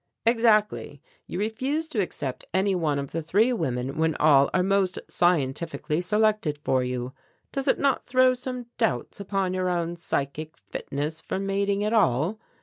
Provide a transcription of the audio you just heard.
"Exactly you refuse to accept any one of the three women when all are most scientifically selected for you. Does it not throw some doubts upon your own psychic fitness for mating at all?